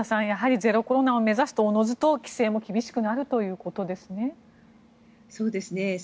やはりゼロコロナを目指すとおのずと規制も厳しくなるということですね。